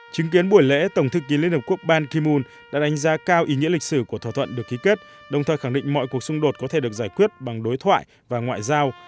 chứng kiến buổi lễ tổng thư ký liên hợp quốc ban kim mun đã đánh giá cao ý nghĩa lịch sử của thỏa thuận được ký kết đồng thời khẳng định mọi cuộc xung đột có thể được giải quyết bằng đối thoại và ngoại giao